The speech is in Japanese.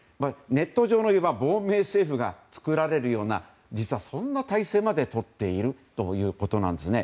ネット上の亡命政府が作られるような実はそんな体制までとっているんです。